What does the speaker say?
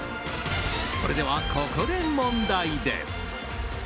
それでは、ここで問題です。